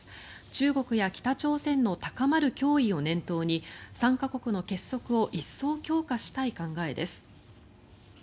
中国や北朝鮮の高まる脅威を念頭に３か国の結束を一層強化したい考えです。